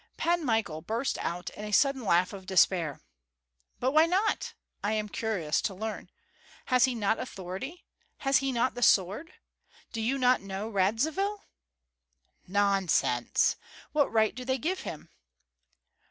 Pan Michael burst out in a sudden laugh of despair. "But why not? I am curious to learn! Has he not authority, has he not the sword? Do you not know Radzivill?" "Nonsense! What right do they give him?"